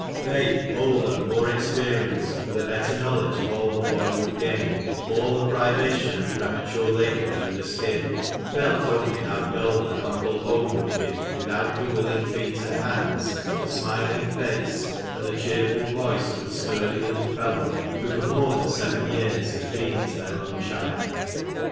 They older, more experienced, with a better knowledge of all the boy would gain — all the privation and premature labour he would escape — felt only how dull their humble home would be without the willing feet and hands, the smiling face, and the cheerful voice of the sturdy little fellow who for more than seven years had been as their own child.